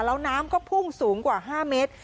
แล้วน้ำก็พุ่งสูงกว่า๕เมตร